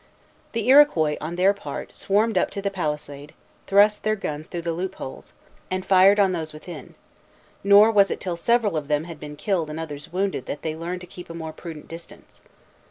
The Iroquois, on their part, swarmed up to the palisade, thrust their guns through the loop holes, and fired on those within; nor was it till several of them had been killed and others wounded that they learned to keep a more prudent distance.